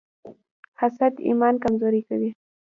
حسد ایمان کمزوری کوي.